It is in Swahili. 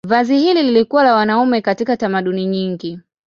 Vazi hili lilikuwa la wanaume katika tamaduni nyingi.